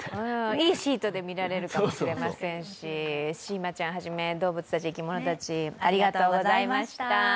いいシートで見られるかもしれませんし、シーマちゃんはじめ、動物たち、生き物たち、ありがとうございました。